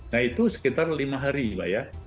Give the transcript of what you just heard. nah itu sekitar lima hari pak ya